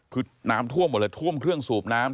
คือน้ำท่วมหมดเลยท่วมเครื่องสูบน้ำ